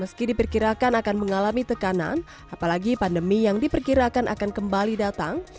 meski diperkirakan akan mengalami tekanan apalagi pandemi yang diperkirakan akan kembali datang